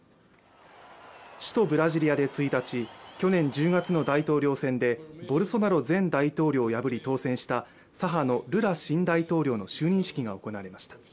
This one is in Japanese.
首都ブラジリアで１日、去年１０月の大統領選でボルソナロ前大統領を破り当選した左派のルラ新大統領の就任式が行われました。